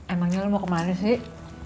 emangnya lo mau kemana sih